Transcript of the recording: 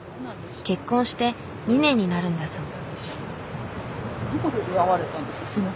結婚して２年になるんだそう。